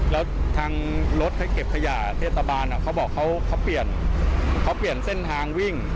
แล้วทางรถให้เก็บขยะเทศบาลเขาบอกเขาเปลี่ยนเขาเปลี่ยนเส้นทางวิ่ง